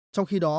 sau khi đó